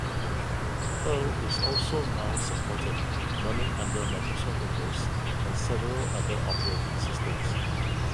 Perl is also now supported running under Microsoft Windows and several other operating systems.